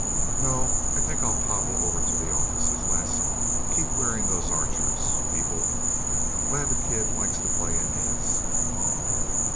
"No... I think I'll toddle over to the offices, Les. Keep wearing those Archers, people. Glad the kid likes to play in his..."